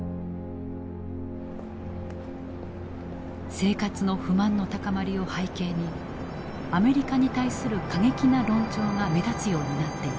生活の不満の高まりを背景にアメリカに対する過激な論調が目立つようになっていた。